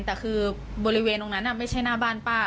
แต่คือบริเวณตรงนั้นไม่ใช่หน้าบ้านป้า